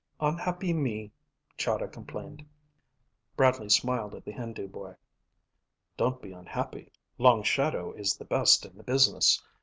"Unhappy me," Chahda complained. Bradley smiled at the Hindu boy. "Don't be unhappy. Long Shadow is the best in the business.